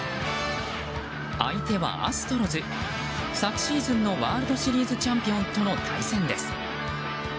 相手はアストロズ。昨シーズンのワールドシリーズチャンピオンとの対戦です。